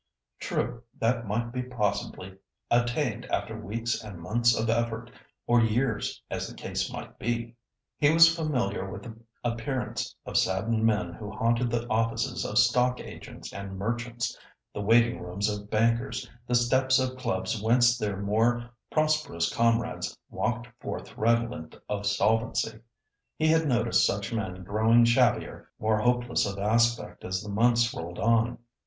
True that might be possibly attained after weeks and months of effort, or years, as the case might be. He was familiar with the appearance of saddened men who haunted the offices of stock agents and merchants—the waiting rooms of bankers, the steps of clubs whence their more prosperous comrades walked forth redolent of solvency. He had noticed such men growing shabbier, more hopeless of aspect as the months rolled on.